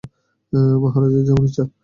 মহারাজের যেমন ইচ্ছা।